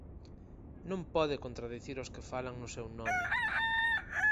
Non pode contradicir aos que falan no seu nome.